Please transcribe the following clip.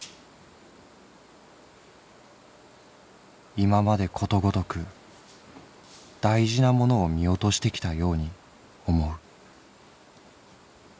「今までことごとく大事なものを見落としてきたように思う」。